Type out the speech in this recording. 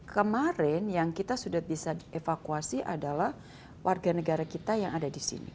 kemarin yang kita sudah bisa evakuasi adalah warga negara kita yang ada di sini